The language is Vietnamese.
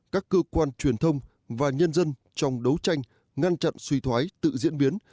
các cơ quan truyền thông và nhân dân trong đấu tranh ngăn chặn suy thoái tự diễn biến